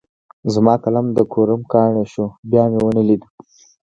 زما قلم د کوړم کاڼی شو؛ بيا مې و نه ليد.